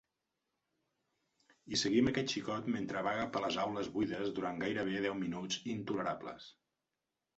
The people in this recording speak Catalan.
I seguim aquest xicot mentre vaga per les aules buides durant gairebé deu minuts intolerables!